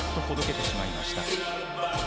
ほどけてしまいました。